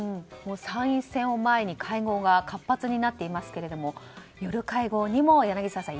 参院選を前に会合が活発になっていますけれども夜会合にも柳澤さん